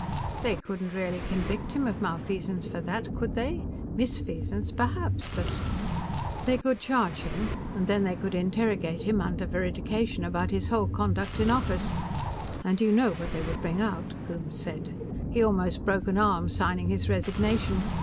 "They couldn't really convict him of malfeasance for that, could they? Misfeasance, maybe, but " "They could charge him. And then they could interrogate him under veridication about his whole conduct in office, and you know what they would bring out," Coombes said. "He almost broke an arm signing his resignation.